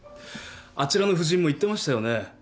あちらの夫人も言ってましたよね。